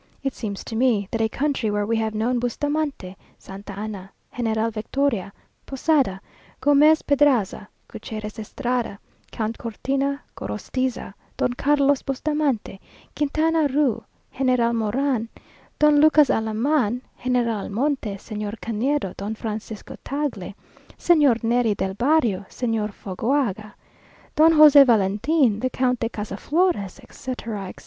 It seems to me that a country where we have known Bustamante, Santa Anna, General Victoria, Posada, Gomez Pedraza, Gutierrez Estrada, Count Cortina, Gorostiza, Don Carlos Bustamante, Quintana Roo, General Moran, Don Lucas Alaman, General Almonte, Señor Canedo, Don Francisco Tagle, Señor Neri del Barrio, Señor Fagoaga, Don José Valentin, the Count de Casaflores, etc., etc.